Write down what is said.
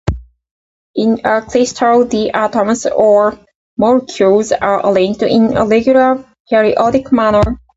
In a crystal, the atoms or molecules are arranged in a regular, periodic manner.